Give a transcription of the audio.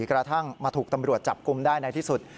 กระทั่งมาถูกตำรวจจับกลุ่มได้ในที่สุด